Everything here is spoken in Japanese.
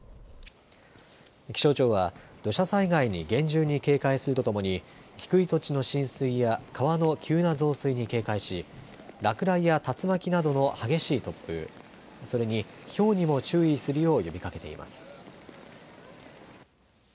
気象庁は土砂災害に厳重に警戒するとともに低い土地の浸水や川の急な増水に警戒し落雷や竜巻などの激しい突風、それに、ひょうにも注意するよう呼びかけています。